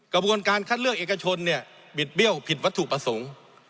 กระบวนการคัดเลือกเอกชนเนี่ยบิดเบี้ยวผิดวัตถุประสงค์